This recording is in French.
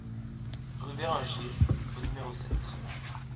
Rue Béringier au numéro sept